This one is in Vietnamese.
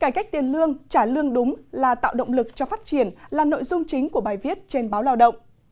cải cách tiền lương trả lương đúng là tạo động lực cho phát triển là nội dung chính của bài viết trên báo lao động